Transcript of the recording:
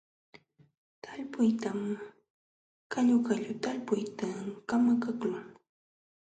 Talpuytam qalluqallu talpuyta kamakaqlun.